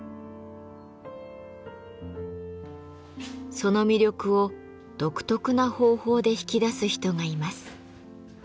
その魅力を独特な方法で引き出す人がいます。